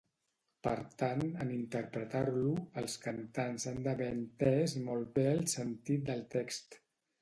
Per tant, en interpretar-lo, els cantants han d'haver entès molt bé el sentit del text.